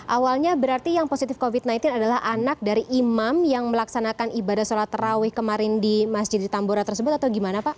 awalnya berarti yang positif covid sembilan belas adalah anak dari imam yang melaksanakan ibadah sholat terawih kemarin di masjid di tambora tersebut atau gimana pak